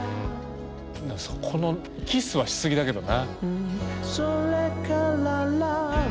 そこのキスはしすぎだけどな。